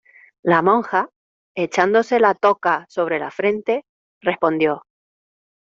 la monja, echándose la toca sobre la frente , respondió: